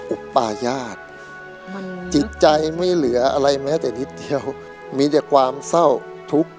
อุปายาทจิตใจไม่เหลืออะไรแม้แต่นิดเดียวมีแต่ความเศร้าทุกข์